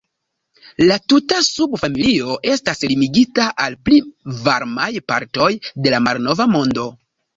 La tuta subfamilio estas limigita al pli varmaj partoj de la Malnova Mondo.